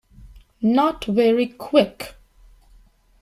Not very Quick.